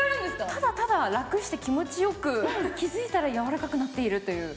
ただただ楽して気持ちよく、気づいたら柔らかくなっているという。